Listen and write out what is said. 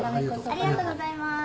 ありがとうございます。